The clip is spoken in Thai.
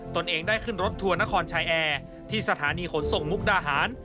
ตนเองได้ขึ้นรถทัวร์นครชายแอร์ที่สถานีขนส่งมุกดาหาร